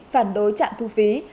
phản đối trạng thu phí